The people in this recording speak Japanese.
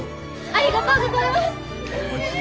ありがとうございます！